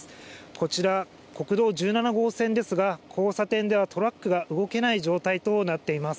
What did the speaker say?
こちら、国道１７号線ですが、交差点ではトラックが動けない状態となっています。